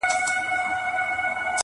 له خندا شین سي ورته نڅیږي -